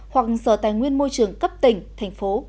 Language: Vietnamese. hoặc sở tài nguyên môi trường cấp tỉnh